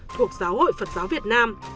thuộc giáo hội phật giáo việt nam